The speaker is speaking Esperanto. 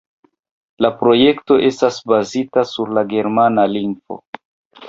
La projekto estas bazita sur la germana lingvo.